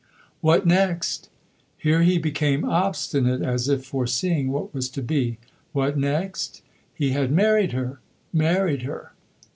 What next? Here he became obstinate, as if foreseeing what was to be. What next? He had married her. Married her!